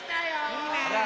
いいね。